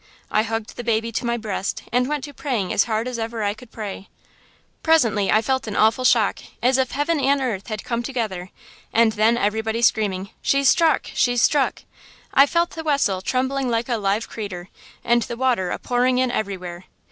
I hugged the baby to my breast, and went to praying as hard as ever I could pray. "Presently I felt an awful shock, as if heaven an' earth had come together, and then everybody screaming, 'She's struck! She's struck!' I felt the wessel trembling like a live creetur, and the water a pouring in everywhere.